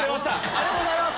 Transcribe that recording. ありがとうございます！